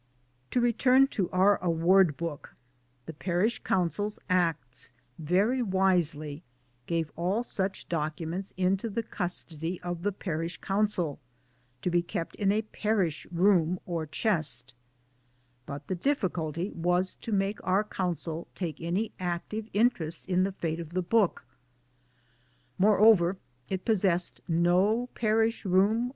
To return to our Award Book, the Parish Councils Acts very wisely gave all such documents into the custody of the Parish Council to be kept in a Parish room or Chest, But the difficulty was to make RURAL 1 CONDITIONS 293 our Council take any active interest in thje fate of the book. Moreover it possessed no Parish Room!